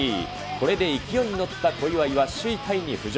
これで勢いに乗った小祝は首位タイに浮上。